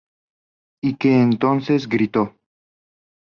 Y que entonces gritó.